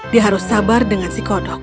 dia harus sabar dengan si kodok